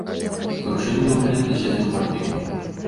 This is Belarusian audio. Такое рашэнне было прынята з'ездам партыі.